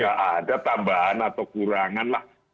nggak ada tambahan atau kurangan lah